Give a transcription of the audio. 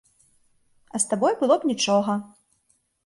А з табой было б нічога.